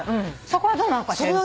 そこはどうなのかしら？